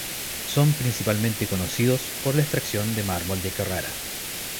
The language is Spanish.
Son principalmente conocidos por la extracción de mármol de Carrara.